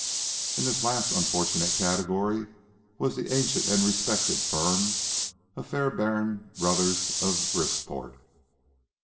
In this last unfortunate category was the ancient and respected firm of Fairbairn Brothers of Brisport.